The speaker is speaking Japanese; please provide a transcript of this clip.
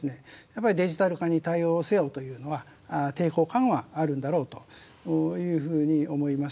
やっぱりデジタル化に対応せよというのは抵抗感はあるんだろうというふうに思います。